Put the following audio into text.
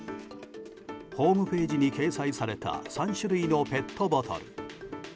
ホームページに掲載された３種類のペットボトル。